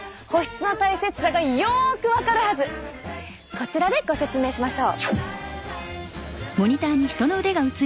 こちらでご説明しましょう。